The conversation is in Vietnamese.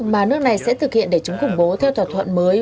mà nước này sẽ thực hiện để chúng củng bố theo thỏa thuận mới